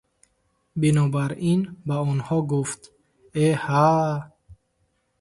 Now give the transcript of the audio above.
Бинобар ин ба онҳо гуфт: – Э, ҳа!